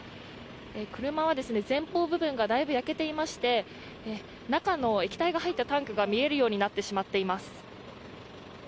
車は前方部分がだいぶ焼けていまして中の液体が入ったタンクが見えるようになってしまっています。